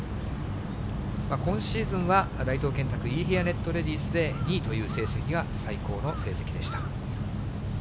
今シーズンは大東建託いい部屋ネットレディスで２位という成績が最高の成績でした。